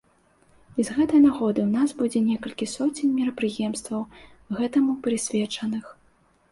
І з гэтай нагоды ў нас будзе некалькі соцень мерапрыемстваў, гэтаму прысвечаных.